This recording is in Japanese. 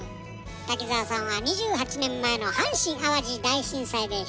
滝澤さんは２８年前の阪神・淡路大震災で被災したの。